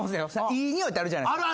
いい匂いってあるじゃないですか。